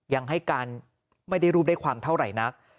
ยังให้การไม่ได้รูปได้ความเท่าไหร่นัก